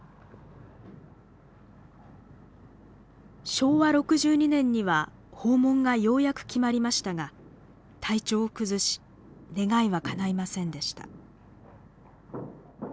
昭和６２年には訪問がようやく決まりましたが体調を崩し願いはかないませんでした。